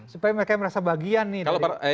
supaya mereka merasa bahagian nih